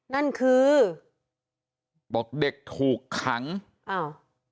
นั่นคือบอกเด็กถูกขังอ้าว